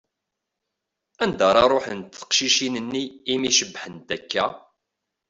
Anda ara ṛuḥent teqcicin-nni i mi cebbḥent akka?